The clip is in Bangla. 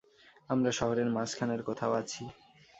আমরা শহরের মাঝখানের কোথাও আছি।